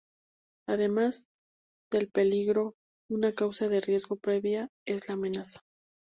Además, del peligro, una causa de riesgo previa es la amenaza.